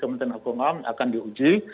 kementerian hukum ham akan diuji